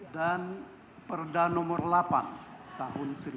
dan perda nomor delapan tahun seribu sembilan ratus sembilan puluh lima